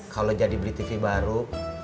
kalo lo jadi beli tv baru